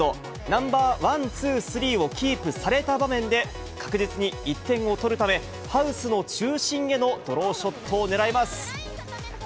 ナンバー１、２、３をキープされた場面で、確実に１点を取るため、ハウスの中心へのドローショットをねらいます。